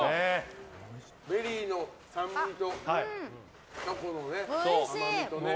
ベリーの酸味とチョコの甘みとね。